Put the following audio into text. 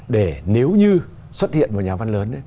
để nếu như xuất hiện một nhà văn lớn